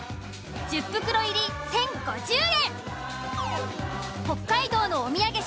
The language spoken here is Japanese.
１０袋入り１，０５０円。